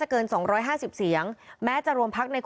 โหวตตามเสียงข้างมาก